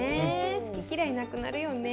好き嫌いなくなるよね。